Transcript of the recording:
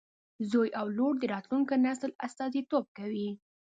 زوی او لور د راتلونکي نسل استازیتوب کوي.